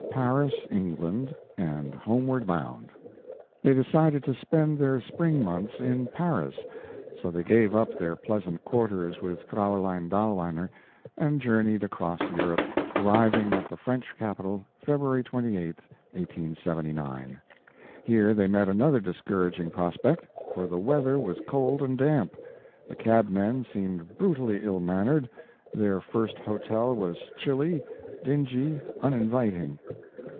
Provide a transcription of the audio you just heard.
PARIS, ENGLAND, AND HOMEWARD BOUND They decided to spend the spring months in Paris, so they gave up their pleasant quarters with Fraulein Dahlweiner, and journeyed across Europe, arriving at the French capital February 28, 1879. Here they met another discouraging prospect, for the weather was cold and damp, the cabmen seemed brutally ill mannered, their first hotel was chilly, dingy, uninviting.